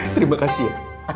terima kasih ya